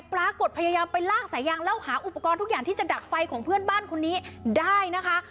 ปรากฏพยายามไปลากสายยางแล้วหาอุปกรณ์ทุกอย่างที่จะดับไฟของเพื่อนบ้านคนนี้ได้นะคะ